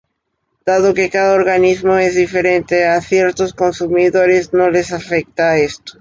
Dado que cada organismo es diferente, a ciertos consumidores no les afecta esto.